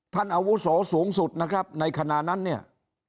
อาวุโสสูงสุดนะครับในขณะนั้นเนี่ย